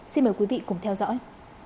xin mời quý vị cùng theo dõi